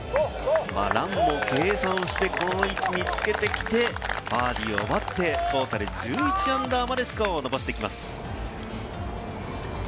ランを計算して、この位置につけてきて、バーディーを奪って、トータル−１１までスコアを伸ばしてきます。